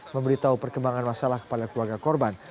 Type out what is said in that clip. memberitahu perkembangan masalah kepala keluarga korban